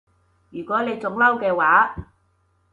如果你仲嬲嘅話